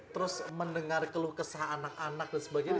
terus mendengar keluh kesah anak anak dan sebagainya